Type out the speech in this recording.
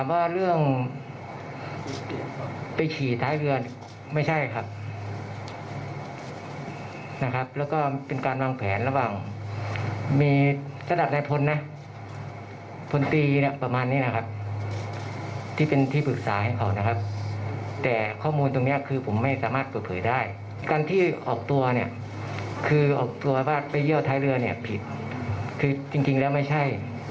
คุณผู้ชมชั่วโครงการนี้คือผิดคือจริงแล้วไม่ใช่